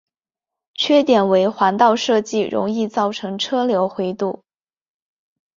缺点为环道设计容易造成车流回堵。